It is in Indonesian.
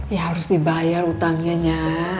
ya harus dibayar hutangnya nya